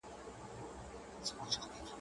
اوس د سیالانو په ټولۍ کي مي ښاغلی یمه.